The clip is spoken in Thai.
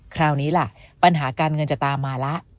คราวนี้ล่ะปัญหาการเงินจะตามมาแล้ว